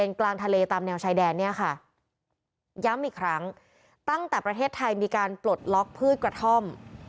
ย้ำอีกครั้งตั้งแต่ประเทศไทยมีการปลดล็อคพืชกระท่อม